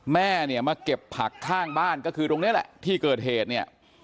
แม่เนี่ยมาเก็บผักข้างบ้านก็คือตรงนี้แหละที่เกิดเหตุเนี่ย